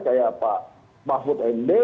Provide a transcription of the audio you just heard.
kayak pak mahfud md